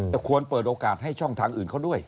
แต่ควรเปิดโอกาสให้ช่องทางอื่นเขาด้วย